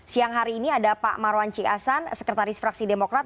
siang hari ini ada pak marwan cik asan sekretaris fraksi demokrat